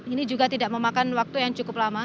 ini juga tidak memakan waktu yang cukup lama